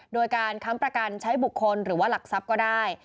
โดยการค้ำประกันใช้บุคคลหรือว่าหลักทรัพย์ก็ได้